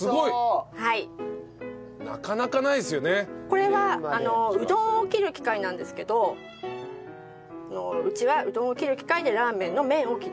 これはうどんを切る機械なんですけどうちはうどんを切る機械でラーメンの麺を切っています。